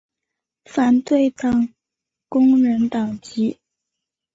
反对党工人党籍。